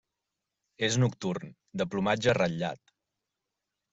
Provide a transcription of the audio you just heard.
És nocturn, de plomatge ratllat.